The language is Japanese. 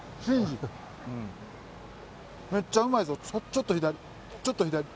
ちょっと左ちょっと左。